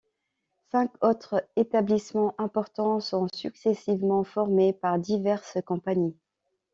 Cinq autres établissements importants sont successivement formés par diverses compagnies.